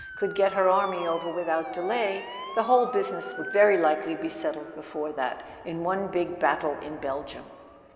—could get her army over without delay, the whole [ 93 ] A SON AT THE FRONT business would very likely be settled before that, in one big battle in Belgium.